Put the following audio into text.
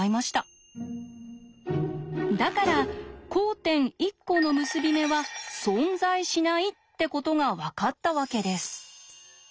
だから交点１コの結び目は存在しないってことが分かったわけです。